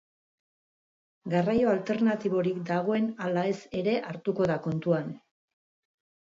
Garraio alternatiborik dagoen ala ez ere hartuko da kontuan.